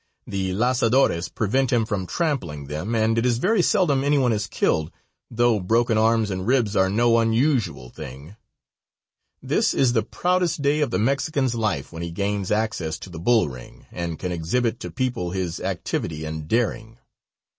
The lazadores prevent him from trampling them, and it is very seldom anyone is killed, though broken arms and ribs are no unusual thing. This is the proudest day of the Mexican's life when he gains access to the bull ring and can exhibit to people his activity and daring.